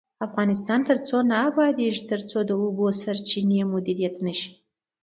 افغانستان تر هغو نه ابادیږي، ترڅو د اوبو سرچینې مدیریت نشي.